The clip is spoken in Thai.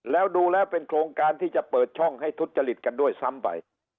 แล้วดูแล้วเป็นโครงการที่จะเปิดช่องให้ทุจริตกันด้วยซ้ำไป